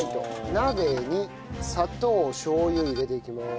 鍋に砂糖しょう油入れていきます。